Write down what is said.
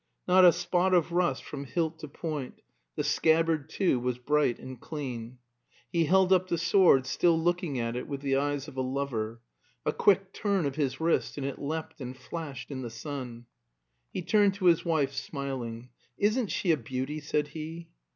Not a spot of rust from hilt to point; the scabbard, too, was bright and clean. He held up the sword, still looking at it with the eyes of a lover; a quick turn of his wrist, and it leapt and flashed in the sun. He turned to his wife, smiling. "Isn't she a beauty?" said he.